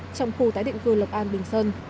trong khu tái định cư lộc an bình sơn